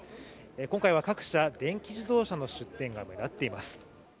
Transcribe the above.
今回は各社、電気自動車の出展が目立っています。